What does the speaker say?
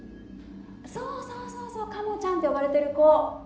そうそうカモちゃんって呼ばれてる子。